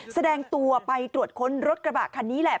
แสดงตัวไปตรวจค้นรถกระบะคันนี้แหละ